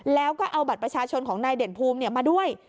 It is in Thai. แล้วก็เอาบัตรประชาชนของนายเด่นภูมิมาด้วย